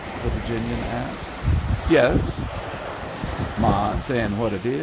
the Virginian asked. "Yes." " Mind sayin' what it is